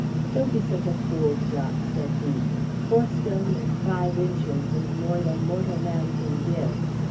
"Don't be such a fool, Jock!" said he. "Four stone and five inches is more than mortal man can give.